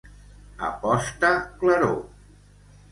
A posta claror.